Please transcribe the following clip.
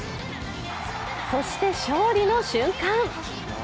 そして勝利の瞬間。